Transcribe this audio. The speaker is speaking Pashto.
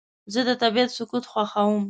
زه د طبیعت سکوت خوښوم.